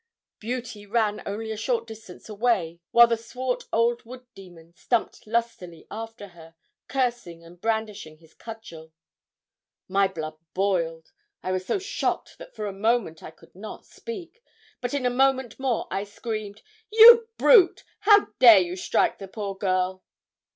'Beauty' ran only a short distance away, while the swart old wood demon stumped lustily after her, cursing and brandishing his cudgel. My blood boiled. I was so shocked that for a moment I could not speak; but in a moment more I screamed 'You brute! How dare you strike the poor girl?'